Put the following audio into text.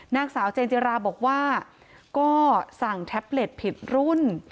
นางสาวเจนจิราบอกว่าก็สั่งแท็บเล็ตผิดรุ่น